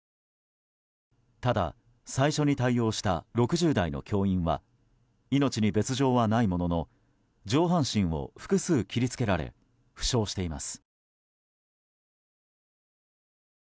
ただ、最初に対応した６０代の教員は命に別条はないものの上半身を複数切り付けられ負傷しています。